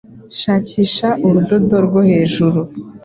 Shakisha urudodo rwo hejuru